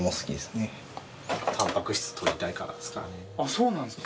そうなんですか。